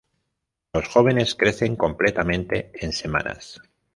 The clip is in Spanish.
Los jóvenes crecen completamente en semanas.